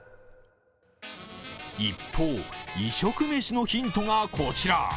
一方、異色メシのヒントがこちら。